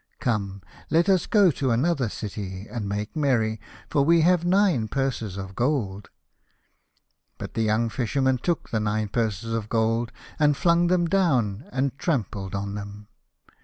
Come, let us go to another city, and make merry, for we have nine purses of gold." But the young Fisherman took the nine purses of gold, and flung them down, and trampled on them.